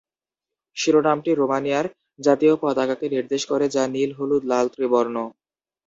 শিরোনামটি রোমানিয়ার জাতীয় পতাকাকে নির্দেশ করে, যা নীল-হলুদ-লাল ত্রিবর্ণ।